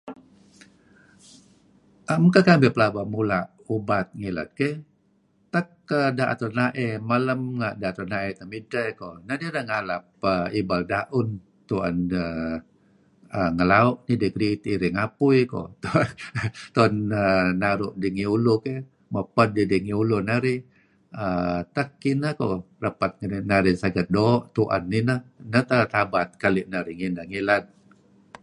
am kekamih pelaba mula ubat ngilad keh tak daet ranae malem daet ranae temisah koh ngalap ibal da'un tu'en deh ngelau' iring apui tu'en neh naru ngi uluh narih um tak kineh ko repet narih sagat do' tu'en ineh neh tabat keli narih ngineh ngilad